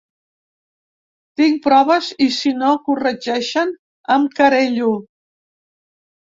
Tinc proves i si no corregeixen em querello.